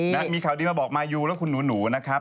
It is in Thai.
นะมีข่าวดีมาบอกมายูแล้วคุณหนูนะครับ